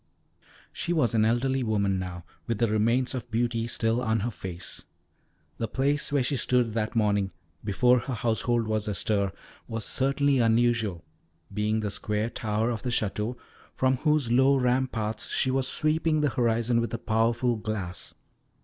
She was an elderly woman now, with the remains of beauty still on her face. The place where she stood that morning, before her household was astir, was certainly unusual, being the square tower of the Château, from whose low ramparts she was sweeping the horizon with a powerful glass.